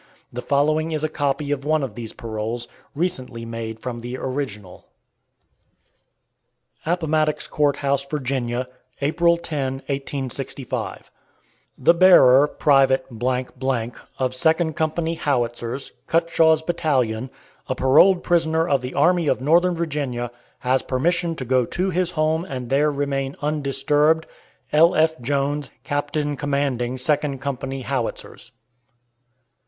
The following is a copy of one of these paroles, recently made from the original: APPOMATTOX COURT HOUSE, VIRGINIA, April 10, 1865. The bearer, Private , of Second Company Howitzers, Cutshaw's Battalion, a paroled prisoner of the Army of Northern Virginia, has permission to go to his home and there remain undisturbed. L.F. JONES, Captain Commanding Second Company Howitzers.